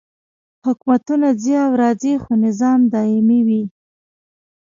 حکومتونه ځي او راځي خو نظام دایمي وي.